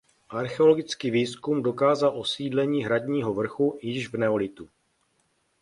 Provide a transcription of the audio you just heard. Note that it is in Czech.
Archeologický výzkum dokázal osídlení hradního vrchu již v neolitu.